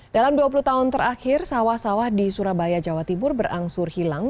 dalam dua puluh tahun terakhir sawah sawah di surabaya jawa timur berangsur hilang